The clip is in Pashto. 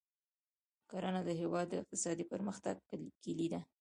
کرنه د هېواد د اقتصادي پرمختګ کلي ده.